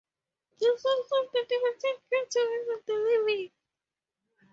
The souls of the departed come to visit the living.